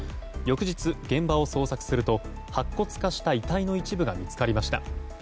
翌日、現場を捜索すると白骨化した遺体の一部が見つかりました。